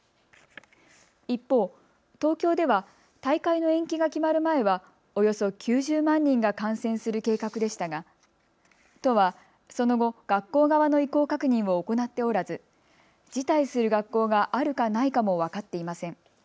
一方、東京では大会の延期が決まる前は、およそ９０万人が観戦する計画でしたが都はその後、学校側の意向確認を行っておらず辞退する学校があるかないかも分かっていません。